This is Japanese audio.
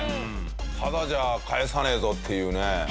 ただじゃ帰さねえぞっていうね。